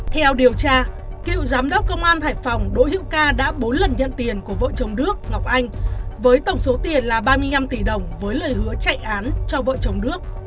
theo điều tra cựu giám đốc công an hải phòng đỗ hiễu ca đã bốn lần nhận tiền của vợ chồng đức ngọc anh với tổng số tiền là ba mươi năm tỷ đồng với lời hứa chạy án cho vợ chồng đức